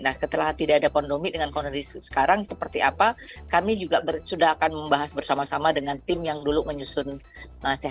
nah setelah tidak ada kondomi dengan kondomi sekarang seperti apa kami juga sudah akan membahas bersama sama dengan tim yang dulu menyusun